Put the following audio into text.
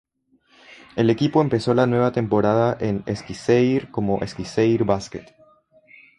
El equipo empezó la nueva temporada en Eskişehir como Eskişehir Basket.